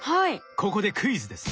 ここでクイズです。